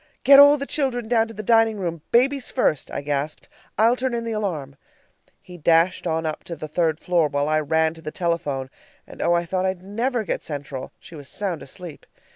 "Get all the children down to the dining room, babies first," I gasped. "I'll turn in the alarm." He dashed on up to the third floor while I ran to the telephone and oh, I thought I'd never get Central! She was sound asleep.